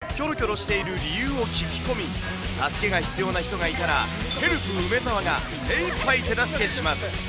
そこで、キョロキョロしている理由を聞き込み、助けが必要な人がいたら、ヘルプ梅澤が精いっぱい手助けします。